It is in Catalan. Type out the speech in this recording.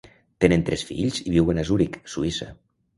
Tenen tres fills i viuen a Zuric, Suïssa.